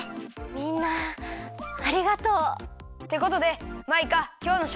みんなありがとう。ってことでマイカきょうのしょくざいをおねがい。